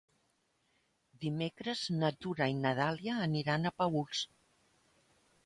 Dimecres na Tura i na Dàlia aniran a Paüls.